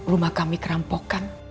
rumah kami kerampokan